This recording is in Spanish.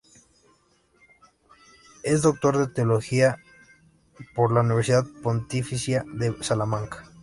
Es doctor en Teología por la Universidad Pontificia de Salamanca.